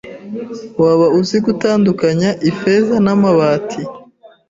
Waba uzi gutandukanya ifeza n'amabati?